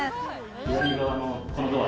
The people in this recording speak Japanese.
左側のそのドア。